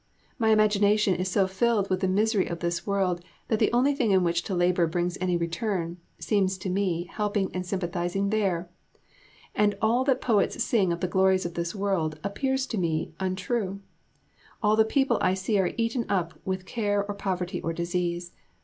My imagination is so filled with the misery of this world that the only thing in which to labour brings any return, seems to me helping and sympathizing there; and all that poets sing of the glories of this world appears to me untrue: all the people I see are eaten up with care or poverty or disease.